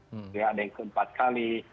ada yang ke empat kali